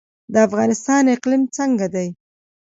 د افغانستان اقلیم څنګه دی؟